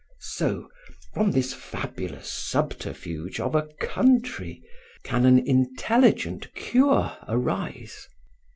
"So, from this fabulous subterfuge of a country can an intelligent cure arise.